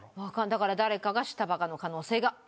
だから誰かが舌バカの可能性があると。